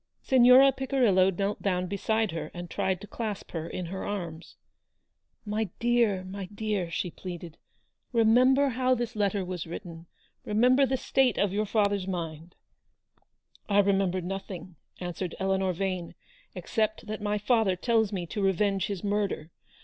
Signora Picirillo knelt down beside her, and tried to clasp her in her arms. 172 Eleanor's victory. " My dear, my dear !" she pleaded ;" remem ber how this letter was written — remember the state of your father's mind —" "I remember nothing," answered Eleanor Vane, " except that my father tells me to revenge his murder.